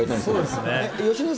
そうですね。